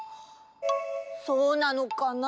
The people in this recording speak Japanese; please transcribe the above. そうなのかな？